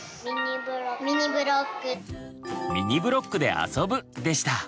「ミニブロックで遊ぶ」でした！